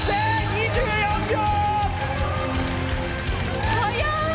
２４秒！